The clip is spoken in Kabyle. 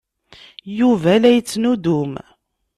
Yuba la yettnuddum.